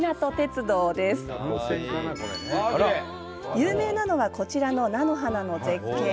有名なのはこちらの菜の花の絶景。